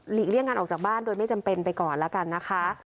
เลี่ยงการออกจากบ้านโดยไม่จำเป็นไปก่อนแล้วกันนะคะ